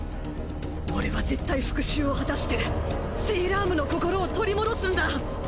俺は絶対復讐を果たしてセイラームの心を取り戻すんだ！